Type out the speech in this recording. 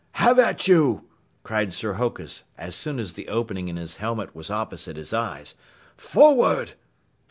"Have at you!" cried Sir Hokus as soon as the opening in his helmet was opposite his eyes. "Forward!"